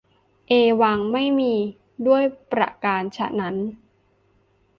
เอวัง ไม่มีด้วยประการฉะนั้น